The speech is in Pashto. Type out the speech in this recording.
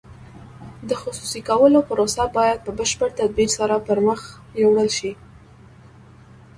د خصوصي کولو پروسه باید په بشپړ تدبیر سره پرمخ یوړل شي.